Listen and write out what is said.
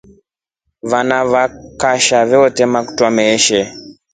Vana wa kshaka vete makwata meshe.